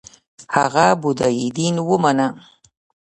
هغه بودايي دین ومانه